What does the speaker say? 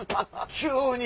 急に！